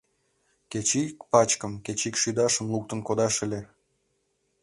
— Кеч ик пачкым, кеч ик шӱдашым луктын кодаш ыле.